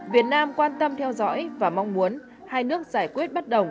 việt nam quan tâm theo dõi và mong muốn hai nước giải quyết bất đồng